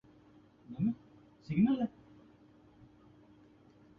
اس بار تو بہار واقعی عجیب گزری ہے۔